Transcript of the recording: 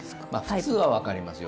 普通はわかりますよ。